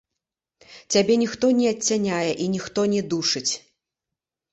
Цябе ніхто не адцяняе і ніхто не душыць.